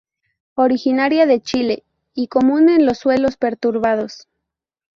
Originaria de Chile, y común en los suelos perturbados.